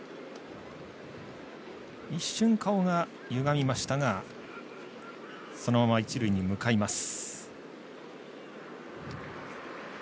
一瞬、顔がゆがみましたがそのまま一塁に向かいます。